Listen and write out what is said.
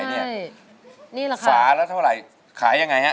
สาระเท่าไรขายยังไงนี่นมโค้กนี่สาระเท่าไรขายยังไงนี่